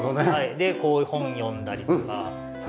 でこう本読んだりとか。